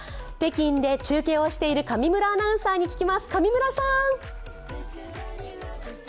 北京で中継をしている上村アナウンサーに聞きます。